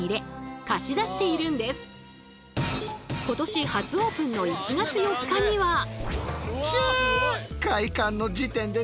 今年初オープンの１月４日には。